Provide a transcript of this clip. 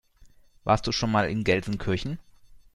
Warst du schon mal in Gelsenkirchen?